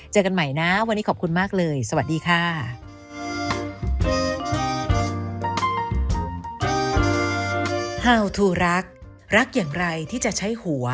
เจอกันใหม่นะวันนี้ขอบคุณมากเลยสวัสดีค่ะ